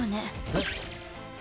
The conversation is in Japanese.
えっ？